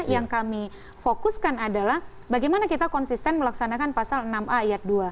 yang kami fokuskan adalah bagaimana kita konsisten melaksanakan pasal enam a ayat dua